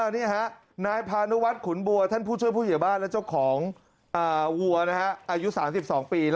นี่ฮะนายพานุวัฒนขุนบัวท่านผู้ช่วยผู้ใหญ่บ้านและเจ้าของวัวอายุ๓๒ปี